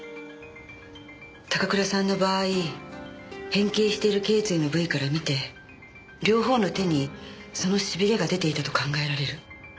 高倉さんの場合変形している頚椎の部位から見て両方の手にそのしびれが出ていたと考えられる。